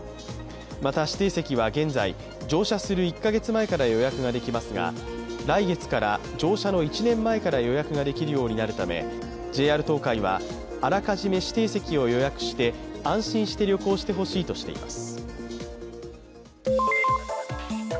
また、指定席は現在、乗車する１か月前から予約ができますが、来月から乗車の１年前から予約ができるようになるため、ＪＲ東海は、あらかじめ指定席を予約して安心して旅行してほしいとしています。